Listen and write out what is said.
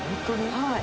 はい。